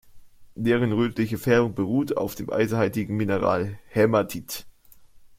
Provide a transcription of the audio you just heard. Deren rötliche Färbung beruht auf dem eisenhaltigen Mineral Hämatit.